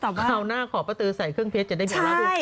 คราวหน้าขอปะตือใส่เครื่องเพชรจะได้เบี่ยกราวดู